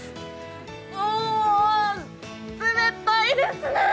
おーっ、冷たいですね！